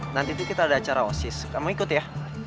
nanti itu kita ada acara osis kamu ikut ya